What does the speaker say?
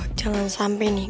aduh jangan sampai nih